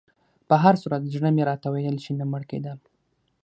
په هر صورت زړه مې راته ویل چې نه مړ کېدم.